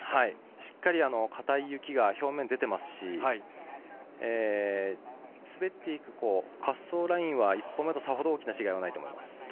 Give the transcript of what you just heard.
しっかりかたい雪が表面に出ていますし滑っていく滑走ラインは１本目と、さほど大きな違いはないと思います。